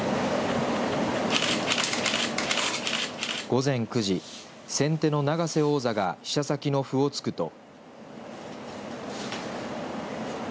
午前９時、先手の永瀬王座が飛車先の歩を突くと。